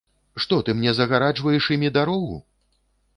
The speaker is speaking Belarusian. Што ты мне загараджваеш імі дарогу?